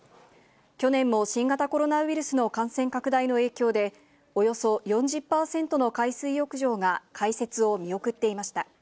去年も新型コロナウイルスの感染拡大の影響で、およそ４０％の海水浴場が開設を見送っていました。